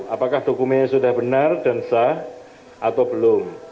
apakah dokumennya sudah benar dan sah atau belum